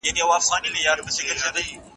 د ښوونځي او جومات ساتنه وکړئ.